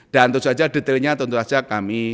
dan tentu saja detailnya tentu saja kami